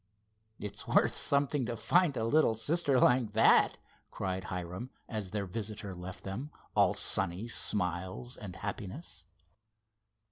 "It's worth something to find a little sister like that," cried Hiram, as their visitor left them, all sunny smiles and happiness.